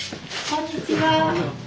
こんにちは。